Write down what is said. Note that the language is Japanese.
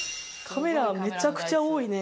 カメラめちゃくちゃ多いね。